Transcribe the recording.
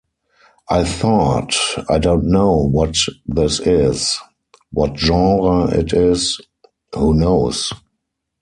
I thought 'I don't know what this is-what genre it is-who knows?